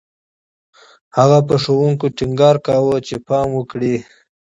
هغې په ښوونکو ټینګار کاوه چې پام وکړي